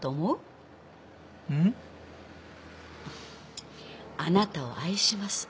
「あなたを愛します」。